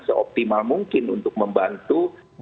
seoptimal mungkin untuk membantu